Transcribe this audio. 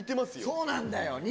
そうなんだよ